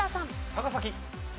高崎。